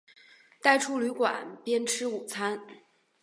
带出旅馆边吃午餐